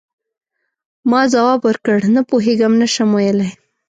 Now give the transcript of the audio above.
ما ځواب ورکړ: نه پوهیږم، نه شم ویلای.